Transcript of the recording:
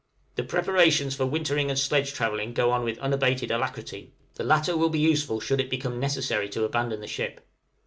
The preparations for wintering and sledge travelling go on with unabated alacrity; the latter will be useful should it become necessary to abandon the ship.